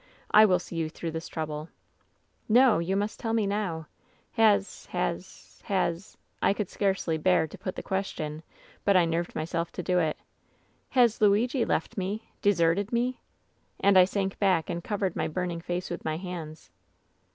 I will see you through this trouble.' " 'No ! you must tell me — ^now ! Has — ^has — ^has ' I could scarcely bear to put the question ; but I nerved myself to do it. 'Has Luigi left me — <leserted me?' And I sank back and covered my burning face with my hands.